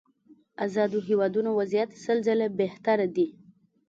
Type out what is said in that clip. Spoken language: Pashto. ازادو هېوادونو وضعيت سل ځله بهتره دي.